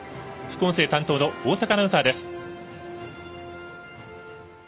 副音声担当の大坂アナウンサーです。